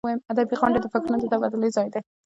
ادبي غونډې د فکرونو د تبادلې ځای دی.